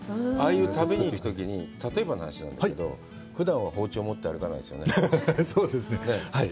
ああいう旅に行くときに、例えばの話なんだけど、ふだん、包丁を持って歩かないですよね？